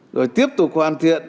rồi tiếp tục hoàn thiện